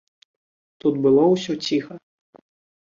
Тут было ўсё ціха.